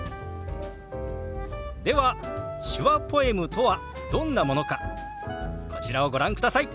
では手話ポエムとはどんなものかこちらをご覧ください。